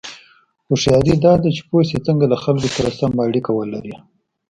هوښیاري دا ده چې پوه شې څنګه له خلکو سره سمه اړیکه ولرې.